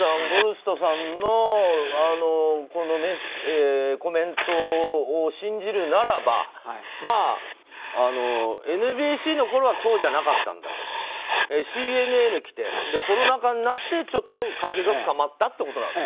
ゴルストさんのコメントを信じるならばＮＢＣのころはそうじゃなかったんだけどＣＮＮに来てコロナ禍になってちょっと関係が深まったってこと。